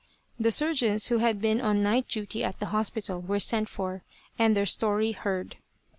The surgeons who had been on night duty at the hospital were sent for, and their story heard.